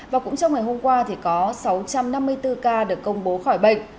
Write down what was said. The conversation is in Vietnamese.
và cũng trong ngày hôm qua thì có sáu trăm năm mươi bốn ca được công bố khỏi bệnh